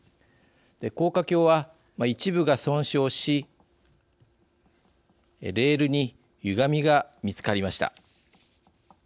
高架橋は一部が損傷しレールにゆがみが見つかりました。